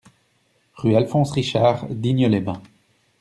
Rue Alphonse Richard, Digne-les-Bains